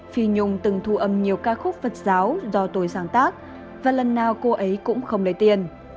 phi nhung từng thu âm nhiều ca khúc phật giáo do tôi sáng tác và lần nào cô ấy cũng không lấy tiền